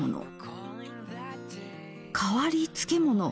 「変わり漬物」